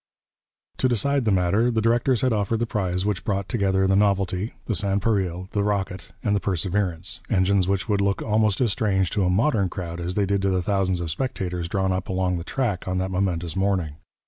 To decide the matter, the directors had offered the prize which brought together the Novelty, the Sans pareil, the Rocket, and the Perseverance, engines which would look almost as strange to a modern crowd as they did to the thousands of spectators drawn up along the track on that momentous morning.